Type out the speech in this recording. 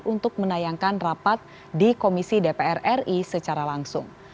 untuk menayangkan rapat di komisi dpr ri secara langsung